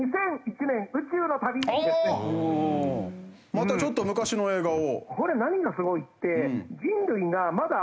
またちょっと昔の映画を。